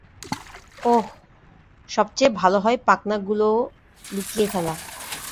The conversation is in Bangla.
ওহ, সবচেয়ে ভালো হয় পাখনাগুলোও লুকিয়ে ফেলা।